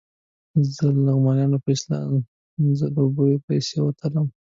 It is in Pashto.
زه د لغمانیانو په اصطلاح ځلوبیو پسې وتلم.